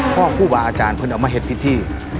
พ่อผู้บาอาจารย์เพิ่งเอามาเห็ดพิธี